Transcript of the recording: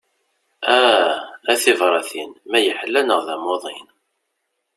Aah, a tibratin, ma yeḥla neɣ d amuḍin?